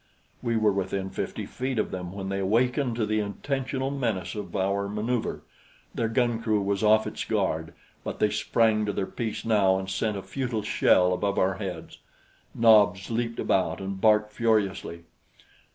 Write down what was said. We were within fifty feet of them when they awakened to the intentional menace of our maneuver. Their gun crew was off its guard; but they sprang to their piece now and sent a futile shell above our heads. Nobs leaped about and barked furiously.